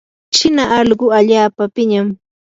china allquu allaapa piñam.